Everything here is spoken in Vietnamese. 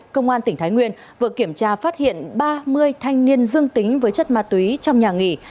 công an tỉnh thái nguyên vừa kiểm tra phát hiện ba mươi thanh niên dương tính với chất ma túy trong nhà nghỉ